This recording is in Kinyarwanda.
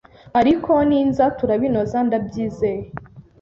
Ariko ninza turabinoza ndabyizeye.